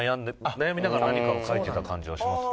悩みながら何かを書いてた感じはしますね。